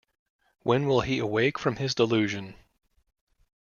When will he awake from his delusion!